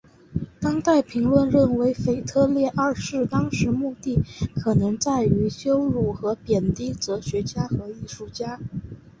当代评论认为腓特烈二世当时目的可能在于羞辱和贬低哲学家和艺术家。